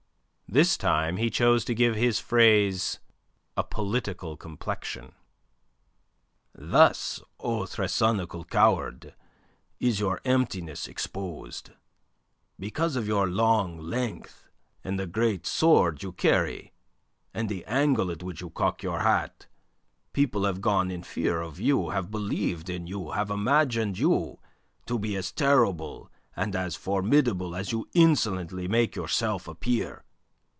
This time he chose to give his phrase a political complexion: "Thus, O thrasonical coward, is your emptiness exposed. Because of your long length and the great sword you carry and the angle at which you cock your hat, people have gone in fear of you, have believed in you, have imagined you to be as terrible and as formidable as you insolently make yourself appear.